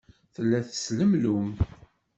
Tella teslemlum.